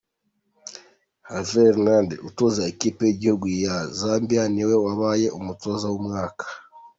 Herve Renard utoza ikipe y’igihugu ya Zambia niwe wabaye umutoza w’umwaka.